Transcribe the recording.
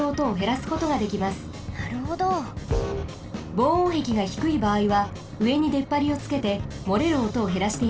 防音壁がひくいばあいはうえにでっぱりをつけてもれるおとをへらしています。